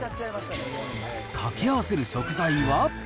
掛け合わせる食材は。